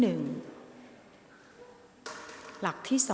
ออกรางวัลเลขหน้า๓ตัวครั้งที่๑ค่ะ